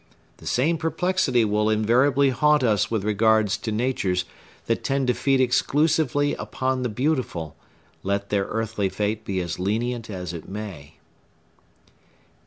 The same perplexity will invariably haunt us with regard to natures that tend to feed exclusively upon the Beautiful, let their earthly fate be as lenient as it may.